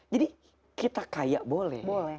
jadi kita kaya boleh